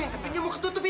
tunggu tunggu tunggu